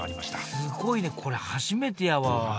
すごいねこれ初めてやわ。